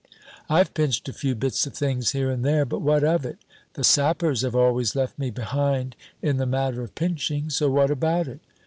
"I've pinched a few bits of things here and there, but what of it? The sappers have always left me behind in the matter of pinching; so what about it?"